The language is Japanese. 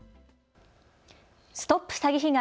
ＳＴＯＰ詐欺被害！